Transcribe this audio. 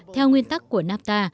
theo nguyên tắc của napta